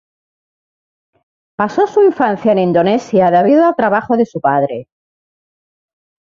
Pasó su infancia en Indonesia debido a el trabajo de su padre.